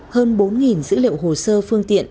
hơn bốn dữ liệu hồ sơ phương tiện